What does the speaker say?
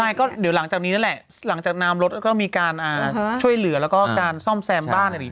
ใช่ก็เดี๋ยวหลังจากนี้นั่นแหละหลังจากนามรถก็มีการช่วยเหลือแล้วก็การซ่อมแซมบ้าน